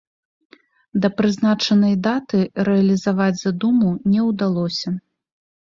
Да прызначанай даты рэалізаваць задуму не ўдалося.